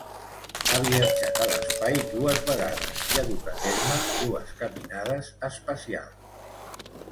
Ha viatjat a l'espai dues vegades i ha dut a terme dues caminades espacials.